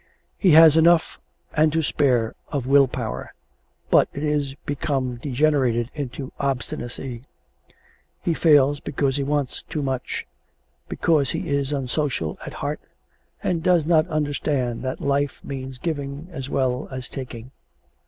He has enough and to spare of will power, but it is become degenerated into obstinacy. He fails because he wants too much, because he is unsocial at heart, and does not understand that life means giving as well as taking.